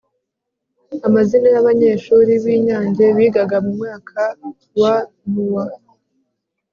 amazina y'abanyeshuri b' inyange bigaga mu mwaka wa n'uwa